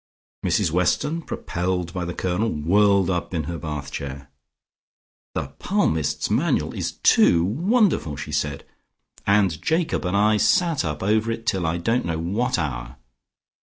Mrs Weston, propelled by the Colonel, whirled up in her bath chair. "'The Palmist's Manual' is too wonderful," she said, "and Jacob and I sat up over it till I don't know what hour.